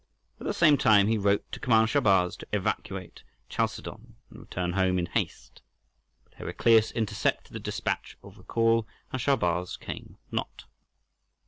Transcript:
At the same time he wrote to command Shahrbarz to evacuate Chalcedon and return home in haste. But Heraclius intercepted the despatch of recall, and Shahrbarz came not.